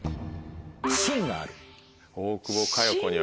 「芯がある」。